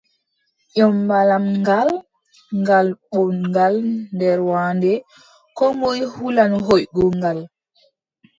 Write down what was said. Ƴommbal am ngal, ngal booɗngal nder waande, koo moy hulan hooygo ngal.